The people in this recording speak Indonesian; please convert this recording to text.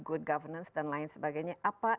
good governance dan lain sebagainya apa